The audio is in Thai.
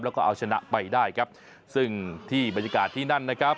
แล้วก็เอาชนะไปได้ครับซึ่งที่บรรยากาศที่นั่นนะครับ